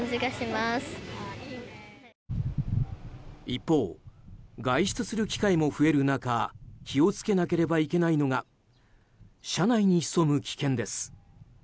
一方、外出する機会も増える中気を付けなければいけないのが車内に潜む危険です。